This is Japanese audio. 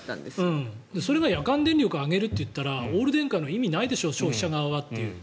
それが夜間電力を上げるといったらオール電化の意味がないでしょう消費者側はという。